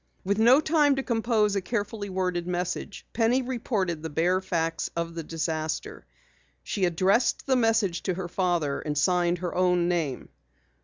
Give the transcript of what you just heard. With no time to compose a carefully worded message, Penny reported the bare facts of the disaster. She addressed the message to her father and signed her own name.